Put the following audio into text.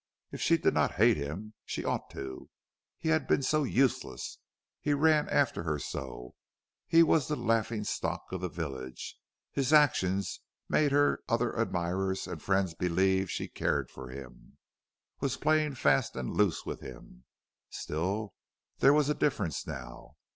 If she did not hate him she ought to. He had been so useless; he ran after her so; he was the laughing stock of the village; his actions made her other admirers and friends believe she cared for him, was playing fast and loose with him. Still, there was a difference now.